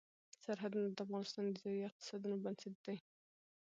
سرحدونه د افغانستان د ځایي اقتصادونو بنسټ دی.